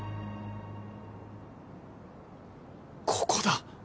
ここだ！